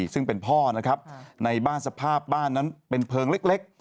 ซึ่งเป็นพ่อนะครับในบ้านสภาพบ้านนั้นเป็นเพลิงเล็ก